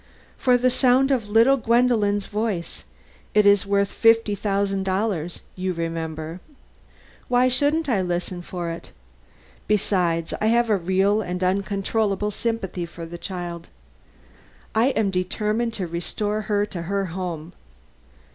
"For the sound of little Gwendolen's voice. It is worth fifty thousand dollars, you remember. Why shouldn't I listen for it? Besides, I have a real and uncontrollable sympathy for the child. I am determined to restore her to her home.